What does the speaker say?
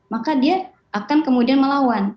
maka dia akan kemudian melawan